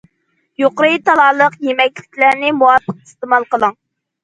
يۇقىرى تالالىق يېمەكلىكلەرنى مۇۋاپىق ئىستېمال قىلىڭ.